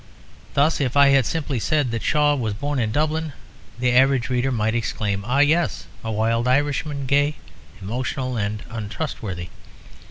Thus, if I had simply said that Shaw was born in Dublin the average reader might exclaim, "Ah yes a wild Irishman, gay, emotional and untrustworthy."